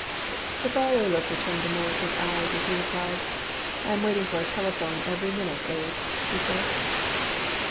The far away look returned to Morris' eyes as he replied. "I am waiting for a telephone every minute, Abe," he said.